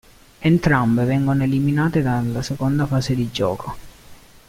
Entrambe vengono eliminate dalla seconda fase di gioco.